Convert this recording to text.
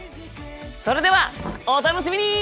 それではお楽しみに！